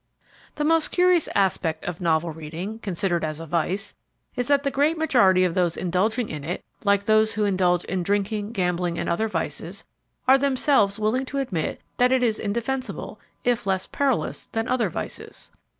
The most curious aspect of novel reading, considered as a vice, is that the great majority of those indulging in it, like those who indulge in drinking, gambling and other vices, are themselves willing to admit that it is indefensible if less perilous than other vices.